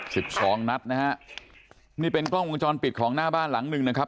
สิบสองนัดนะฮะนี่เป็นกล้องวงจรปิดของหน้าบ้านหลังหนึ่งนะครับ